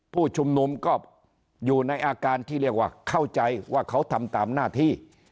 ผู้ชุมนุมก็อยู่ในอาการที่เรียกว่าเข้าใจว่าเขาทำตามหน้าที่